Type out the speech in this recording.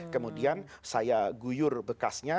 kemudian saya guyur bekasnya